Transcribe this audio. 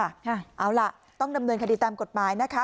เอาล่ะต้องดำเนินคดีตามกฎหมายนะคะ